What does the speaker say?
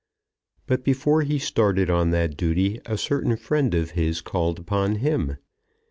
But before he started on that duty a certain friend of his called upon him.